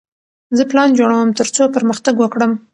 زه پلان جوړوم ترڅو پرمختګ وکړم.